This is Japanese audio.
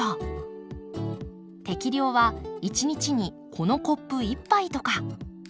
適量は１日にこのコップ１杯とか。